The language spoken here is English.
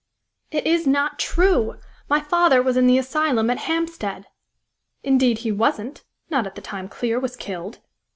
"It is not true! My father was in the asylum at Hampstead!" "Indeed he wasn't not at the time Clear was killed!"